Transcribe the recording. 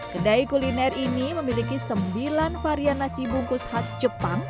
kedai kuliner ini memiliki sembilan varian nasi bungkus khas jepang